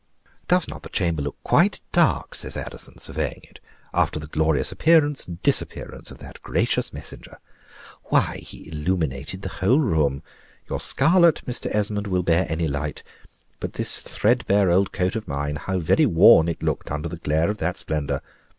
"Does not the chamber look quite dark?" says Addison, surveying it, "after the glorious appearance and disappearance of that gracious messenger? Why, he illuminated the whole room. Your scarlet, Mr. Esmond, will bear any light; but this threadbare old coat of mine, how very worn it looked under the glare of that splendor!